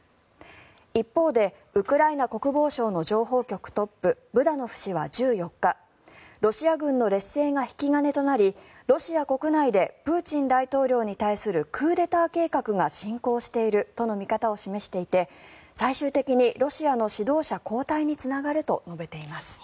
一方でウクライナ国防省の情報局トップブダノフ氏は１４日ロシア軍の劣勢が引き金となりロシア国内でプーチン大統領に対するクーデター計画が進行しているとの見方を示していて最終的にロシアの指導者交代につながると述べています。